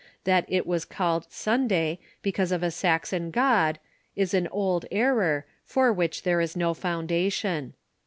That it was called Sunday because of a Saxon god is an old error, for which there is no foundation.